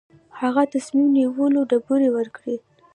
هغه د تصمیم نیولو ډبرې ورکوي.